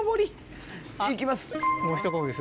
行きます。